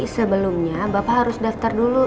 sebelumnya bapak harus daftar dulu